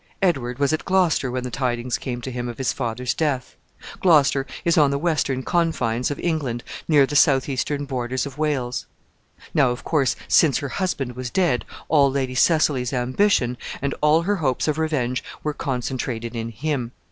Edward was at Gloucester when the tidings came to him of his father's death. Gloucester is on the western confines of England, near the southeastern borders of Wales. Now, of course, since her husband was dead, all Lady Cecily's ambition, and all her hopes of revenge were concentrated in him.